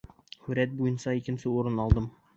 — Һүрәт буйынса икенсе урын алдым.